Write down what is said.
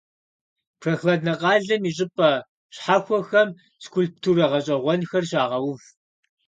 Прохладнэ къалэм и щӀыпӀэ щхьэхуэхэм скульптурэ гъэщӀэгъуэнхэр щагъэув.